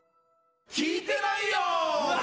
聞いてないよー。